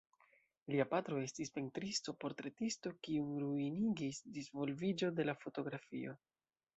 Lia patro estis pentristo-portretisto kiun ruinigis disvolviĝo de la fotografio.